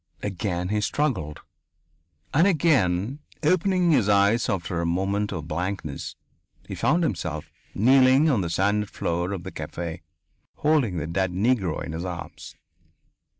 Again he struggled. And again, opening his eyes after a moment of blankness, he found himself kneeling on the sanded floor of the cafe, holding the dead Negro in his arms.